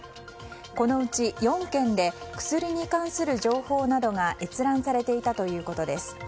このうち４件で薬に関する情報などが閲覧されていたということです。